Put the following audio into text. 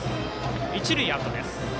一塁アウトです。